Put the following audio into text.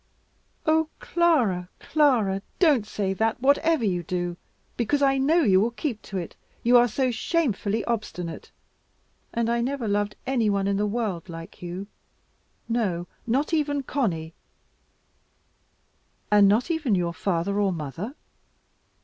"Oh Clara, Clara, don't say that, whatever you do, because I know you will keep to it, you are so shamefully obstinate. And I never loved any one in the world like you; no, not even Conny." "And not even your father or mother?"